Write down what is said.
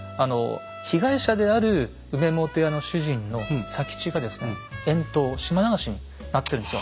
被害者である梅本屋の主人の佐吉がですね遠島島流しになってるんですよ。